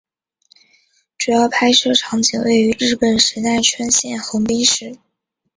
主要拍摄场景位于日本神奈川县横滨市。